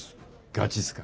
ガチっすか。